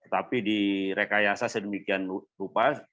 tapi direkayasa sedemikian rupa